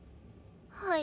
はい。